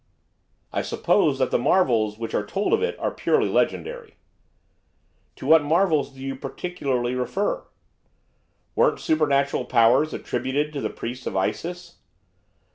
'I suppose that the marvels which are told of it are purely legendary?' 'To what marvels do you particularly refer?' 'Weren't supernatural powers attributed to the priests of Isis?